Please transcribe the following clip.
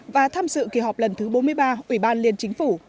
và tham dự kỳ họp lần thứ bốn mươi ba ủy ban liên chính phủ